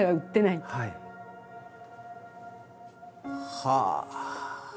はあ！